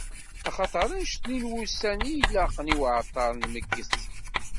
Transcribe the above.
Axaṭer annect-nni n wussan i yelaqen i uɛeṭṭer n lmegget.